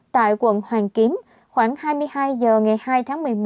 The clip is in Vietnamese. tại quận hoàn kiếm khoảng hai mươi hai h ngày hai tháng một mươi một